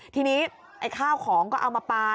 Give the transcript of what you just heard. ทีนี้ไอ้ข้าวของก็เอามาปลา